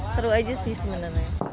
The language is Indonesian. seru aja sih sebenarnya